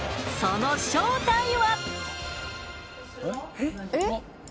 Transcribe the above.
その正体は？えっ？